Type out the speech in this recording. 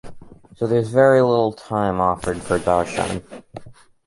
So, there is very little time offered for 'Darshan'.